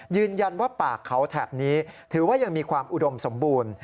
ยืนยันว่าป่าเขาแถบนี้ถือว่ายังมีความอุดมสมบูรณ์